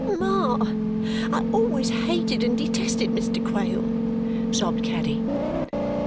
"Ma, I always hated and detested Mr. Quale!" sobbed Caddy.